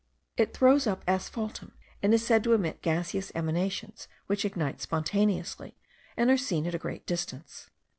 It throws up asphaltum, and is said to emit gaseous emanations, which ignite spontaneously, and are seen at a great distance.